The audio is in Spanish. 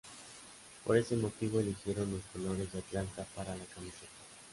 Por ese motivo eligieron los colores de Atlanta para la camiseta.